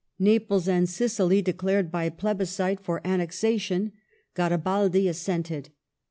Naples and Sicily declared by plebiscite for annexation ; Garibaldi assented.